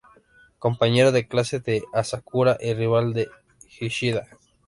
Compañero de clase de Asakura y rival de Ishida.